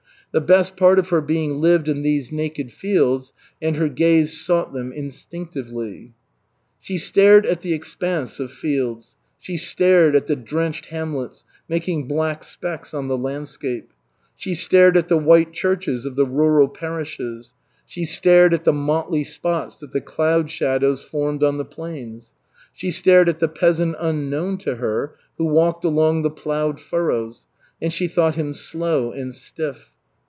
The best part of her being lived in these naked fields, and her gaze sought them instinctively. She stared at the expanse of fields; she stared at the drenched hamlets making black specks on the landscape; she stared at the white churches of the rural parishes; she stared at the motley spots that the cloud shadows formed on the plains; she stared at the peasant unknown to her who walked along the ploughed furrows, and she thought him slow and stiff.